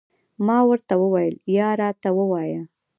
ما ورته وویل، یا راته ووایه.